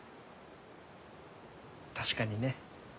確かにね。